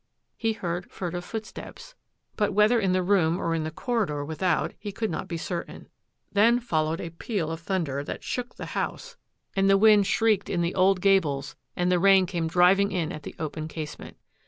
He heard fur tive footsteps — but whether in the room or in the corridor without he could not be certain — then followed a peal of thunder that shook the house, and the wind shrieked in the old gables and the rain came driving in at the open casement.